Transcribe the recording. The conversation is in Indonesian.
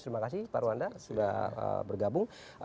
terima kasih pak ruanda sudah bergabung